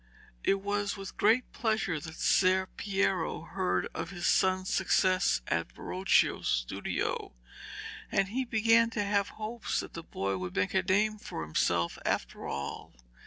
It was with great pleasure that Ser Piero heard of his son's success at Verocchio's studio, and he began to have hopes that the boy would make a name for himself after all.